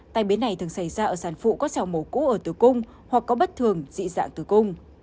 tai biến này thường xảy ra ở sản phụ có sảo màu cũ ở tử cung hoặc có bất thường dị dạng tử cung